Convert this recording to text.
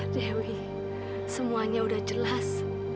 dewi semuanya udah jelas